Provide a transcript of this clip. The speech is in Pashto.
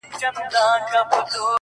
نور به وه ميني ته شعرونه ليكلو،